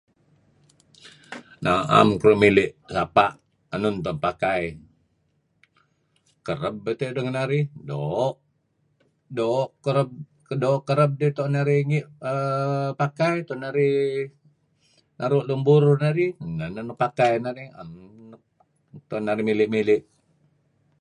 Na'em keduih mili' sapa' enun tu'en pakai. Kereb beto' idih ngen narih, doo'. Doo' kereb... doo' kereb tidih tu'en narih err... pakai, tu'en narih... naru' luun burur narih neh neh nuk pakai narih. tu'en narih mili'-mili'.